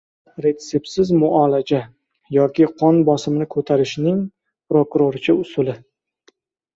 Retseptsiz «muolaja». Yoki qon bosimini ko‘tarishning prokurorcha usuli